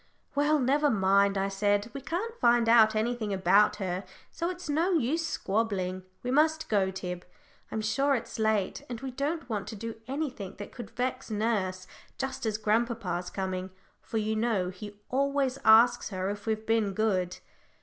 "Well, never mind," I said. "We can't find out anything about her, so it's no use squabbling. We must go, Tib; I'm sure it's late; and we don't want to do anything that could vex nurse just as grandpapa's coming, for you know he always asks her if we've been good."